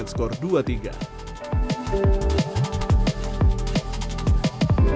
jadi kita siap